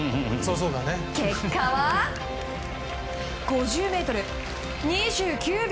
結果は、５０ｍを２９秒！